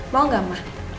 mau gak ma